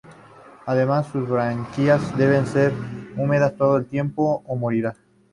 Además, sus branquias deben ser húmeda todo el tiempo, o morirá.